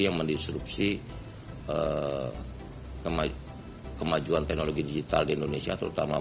yang mendisrupsi kemajuan teknologi digital di indonesia terutama